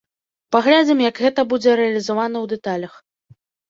Паглядзім, як гэта будзе рэалізавана ў дэталях.